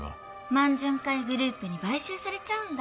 満潤会グループに買収されちゃうんだ。